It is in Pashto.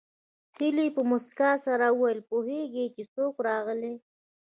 هيلې په مسکا سره وویل پوهېږې چې څوک راغلي